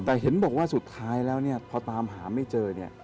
แต่เห็นบอกว่าสุดท้ายแล้วเนี่ยพอตามหาไม่เจอเนี่ย